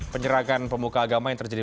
penyerangan pemuka agama yang terjadi